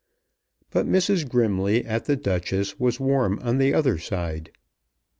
But Mrs. Grimley at The Duchess was warm on the other side.